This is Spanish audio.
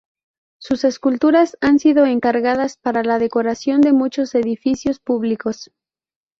Sus esculturas han sido encargadas para la decoración de muchos edificios públicos.